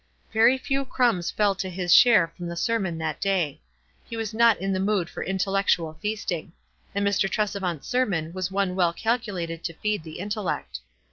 Very few crumbs fell to his share from the sermon that clay. He was not in^the mood for intellec 236 WISE AND OTHERWISE. tual feasting ; and Mr. Tresevant's sermon was one well calculated to feed the intellect.